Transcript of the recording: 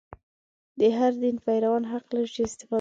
د هر دین پیروان حق لري چې استفاده وکړي.